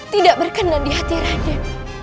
tidak berkenan di hati rakyat